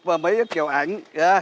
chụp mấy cái kiểu ảnh